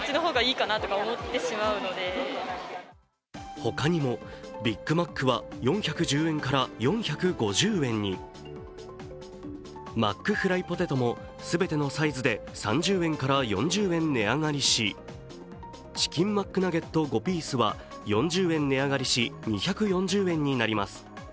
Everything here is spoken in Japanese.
他にも、ビッグマックは４１０円から４５０円に、マックフライポテトも全てのサイズで３０円から４０円値上がりしチキンマックナゲット５ピースは４０円値上がりし、２４０円になります。